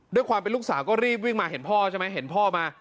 ด้วยความเป็นลูกสาวก็รีบวิ่งมาเห็นพ่อใช่ไหมเห็นพ่อมา